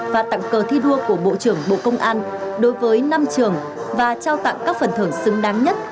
và tặng cờ thi đua của bộ trưởng bộ công an đối với năm trường và trao tặng các phần thưởng xứng đáng nhất